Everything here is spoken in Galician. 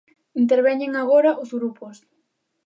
Interveñen agora os grupos.